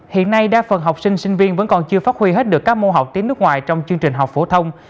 hiện nay đa phần học sinh sinh viên vẫn còn chưa phát huy hết được các môn học tiếng nước ngoài trong chương trình học phổ thông